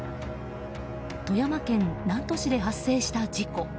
富山県南砺市で発生した事故。